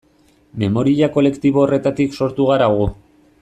Memoria kolektibo horretatik sortu gara gu.